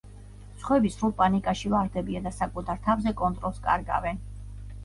სხვები სრულ პანიკაში ვარდებიან და საკუთარ თავზე კონტროლს კარგავენ.